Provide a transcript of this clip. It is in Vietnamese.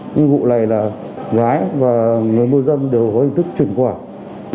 như vụ này là gái và người mua dâm đều có hình thức chuyển khoản